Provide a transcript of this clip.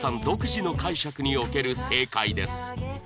独自の解釈における正解です